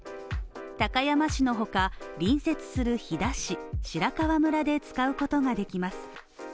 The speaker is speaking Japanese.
高山市のほか、隣接する飛騨市、白川村で使うことができます。